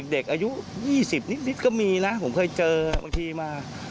เด็กอายุ๒๐นิดก็มีนะผมเคยเจอบางทีมา